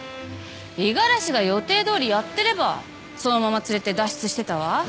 五十嵐が予定どおりやってればそのまま連れて脱出してたわ。